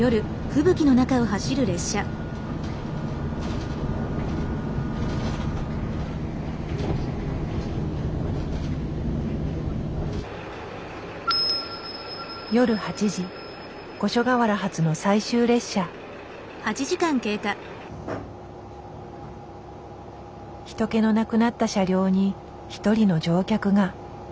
人けのなくなった車両に一人の乗客が。